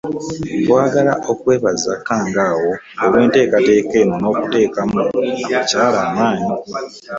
Twagala okwebaza Kkangaawo olw'enteekateeka eno n'okuteekamu abakyala amaanyi.